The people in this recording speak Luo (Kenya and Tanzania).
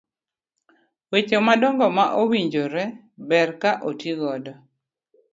weche madongo ma owinjore ber ka otigodo.